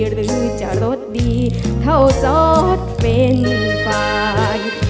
หรือจะรสดีเท่าซอสเฟนไฟ